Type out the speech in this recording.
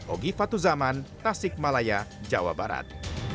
ogi fatuzaman tasik malaya jawa barat